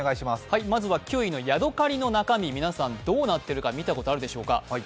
まずは９位のヤドカリの中身皆さんどうなっているか見たことあるでしょうか。